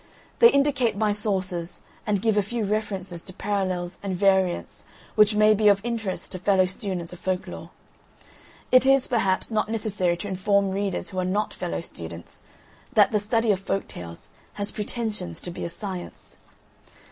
They indicate my sources and give a few references to parallels and variants which may be of interest to fellow students of Folk lore. It is, perhaps, not necessary to inform readers who are not fellow students that the study of Folk tales has pretensions to be a science.